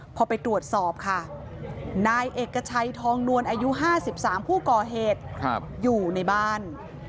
พอไปตรวจสอบค่ะนายเอกชัยทองนวลอายุ๕๓ผู้ก่อเหตุอยู่ในบ้าน